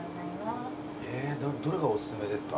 えどれがお薦めですか？